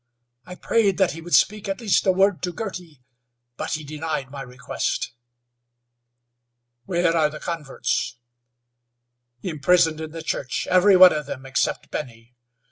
I prayed that he would speak at least a word to Girty, but he denied my request." "Where are the converts?" "Imprisoned in the church, every one of them except Benny.